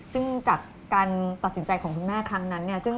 ซึ่งจากการตัดสินใจของคุณแม่ครั้งนั้นเนี่ย